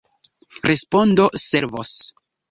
Respondo sekvos.